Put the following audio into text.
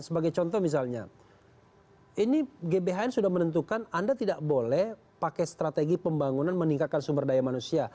sebagai contoh misalnya ini gbhn sudah menentukan anda tidak boleh pakai strategi pembangunan meningkatkan sumber daya manusia